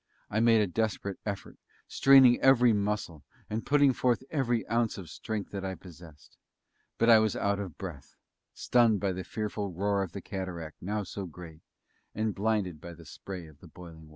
I made a desperate effort, straining every muscle, and putting forth every ounce of strength that I possessed. But I was out of breath, stunned by the fearful roar of the cataract, now so near, and blinded by the spray of the boiling waters.